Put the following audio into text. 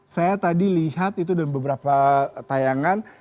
saya tadi lihat itu dan beberapa tayangan